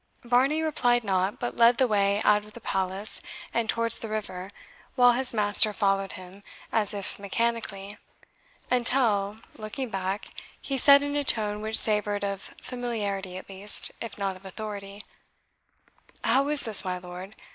Varney replied not, but led the way out of the palace, and towards the river, while his master followed him, as if mechanically; until, looking back, he said in a tone which savoured of familiarity at least, if not of authority, "How is this, my lord?